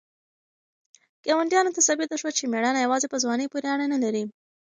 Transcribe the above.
ګاونډیانو ته ثابته شوه چې مېړانه یوازې په ځوانۍ پورې اړه نه لري.